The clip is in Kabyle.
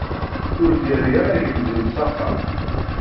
Ur d-yerri ara agelzim s axxam.